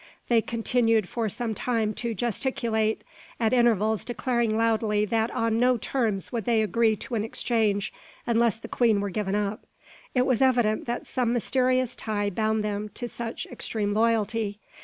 They continued for some time to gesticulate, at intervals declaring loudly that on no terms would they agree to an exchange unless the queen were given up. It was evident that some mysterious tie bound them to such extreme loyalty.